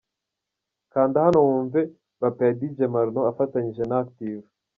Kanda hano wumve 'Bape' ya Dj Marnaud afatanyije na Active.